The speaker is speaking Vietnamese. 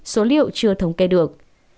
số liệu chưa thống kê được